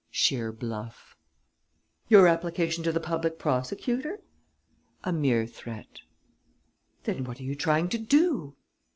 "Sheer bluff." "Your application to the public prosecutor?" "A mere threat." "Then what are you trying to do?"